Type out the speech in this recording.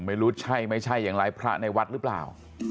ไม่ใช่ไม่ใช่อย่างไรพระในวัดหรือเปล่า